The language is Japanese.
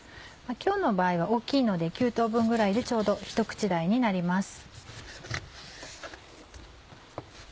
今日の場合は大きいので９等分ぐらいでちょうどひと口大になります。